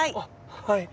はい。